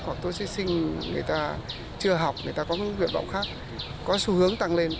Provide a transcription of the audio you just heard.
hoặc số thí sinh chưa học người ta có nguyện vọng khác có xu hướng tăng lên